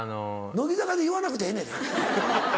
乃木坂で言わなくてええねんで？